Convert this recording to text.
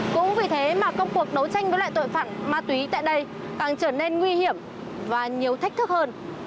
cũng vì thế mà công cuộc đấu tranh với loại tội phạm ma túy tại đây càng trở nên nguy hiểm và nhiều thách thức hơn